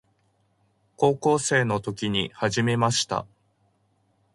高校生の時に始めました。